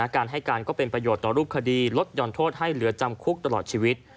การให้การก็เป็นประโยชน์ต่อรูปคดีลดหย่อนโทษให้เหลือจำคุกตลอดชีวิต